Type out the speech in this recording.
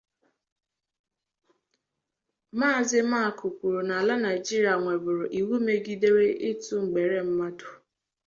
Mazị Maku kwuru n’ala Nigeria nweburu iwu megidere ịtụ mgbere mmadụ